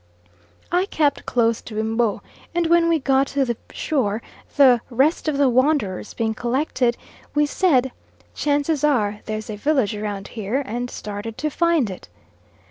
I kept close to M'bo, and when we got to the shore, the rest of the wanderers being collected, we said "chances are there's a village round here"; and started to find it.